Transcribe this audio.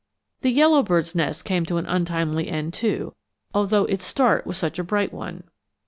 The yellowbird's nest came to an untimely end, too, although its start was such a bright one.